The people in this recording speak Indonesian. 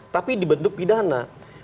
tapi dibentuk pidana